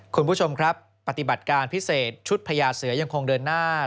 คุณผู้ชมครับปฏิบัติการพิเศษชุดพญาเสือยังคงเดินหน้า